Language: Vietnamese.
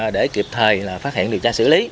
để kịp thời phát hiện điều tra xử lý